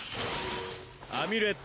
アミュレット